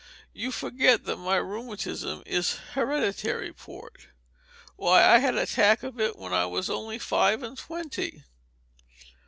You forget that my rheumatism is hereditary, Port. Why, I had an attack of it when I was only five and twenty."